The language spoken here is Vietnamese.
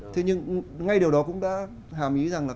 thế nhưng ngay điều đó cũng đã hàm ý rằng là